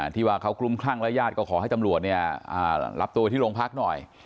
ที่ว่าเขากลุ่มคลั่งรายญาติก็ขอให้ตำรวจเนี่ยอ่ารับตัวที่โรงพักษณ์หน่อย